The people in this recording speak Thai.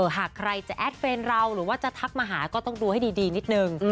หากใครจะแอดเฟรนด์เราหรือว่าจะทักมาหาก็ต้องดูให้ดีนิดนึง